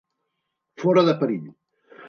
Fora de perill.